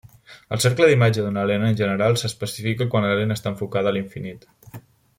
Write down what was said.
El cercle d’imatge d’una lent, en general, s’especifica quan la lent està enfocada a l’infinit.